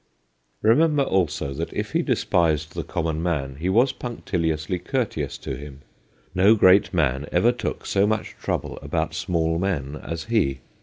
Remember also that if he despised the common man, he was punctiliously courteous to him. No great man ever took so much trouble about small men as he.